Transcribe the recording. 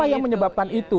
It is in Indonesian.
apa yang menyebabkan itu